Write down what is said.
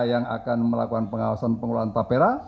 yang akan melakukan pengawasan pengelolaan tapera